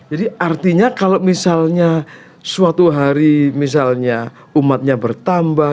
jadi artinya kalau misalnya suatu hari misalnya umatnya bertambah